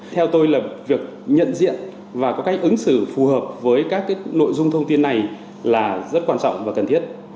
theo tôi là việc nhận diện và có cách ứng xử phù hợp với các nội dung thông tin này là rất quan trọng và cần thiết